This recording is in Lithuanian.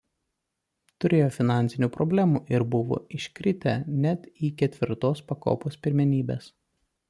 Turėjo finansinių problemų ir buvo iškritę net į ketvirtos pakopos pirmenybės.